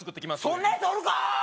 そんなやつおるかー！